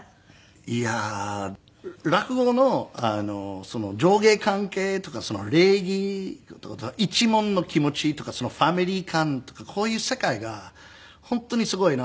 いや落語の上下関係とか礼儀とか一門の気持ちとかファミリー感とかこういう世界が本当にすごいなと。